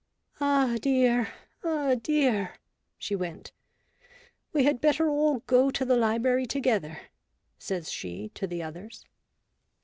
"Ah dear, ah dear!" she went, "We had better all go to the library together," says she to the others.